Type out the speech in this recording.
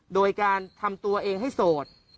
โดยการทำตัวเองให้โสด